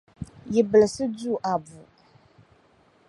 Yibilisi du Abu.